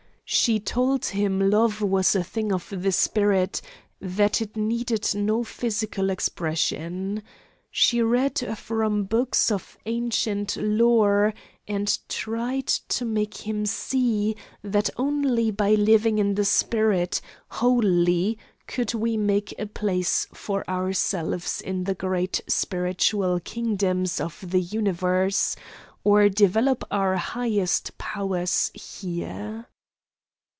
She told him love was a thing of the spirit, that it needed no physical expression. She read from books of ancient lore, and tried to make him see that only by living in the spirit, wholly, could we make a place for ourselves in the great spiritual kingdoms of the universe, or develop our highest powers here.